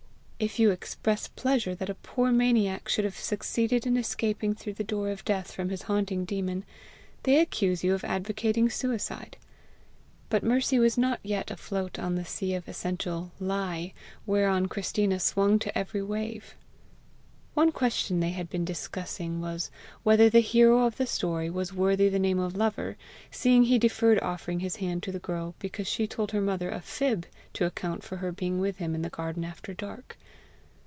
If you express pleasure that a poor maniac should have succeeded in escaping through the door of death from his haunting demon, they accuse you of advocating suicide. But Mercy was not yet afloat on the sea of essential LIE whereon Christina swung to every wave. One question they had been discussing was, whether the hero of the story was worthy the name of lover, seeing he deferred offering his hand to the girl because she told her mother a FIB to account for her being with him in the garden after dark.